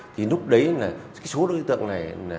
thì lúc đấy là số đối tượng này